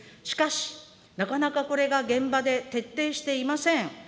しかし、なかなかこれが現場で徹底していません。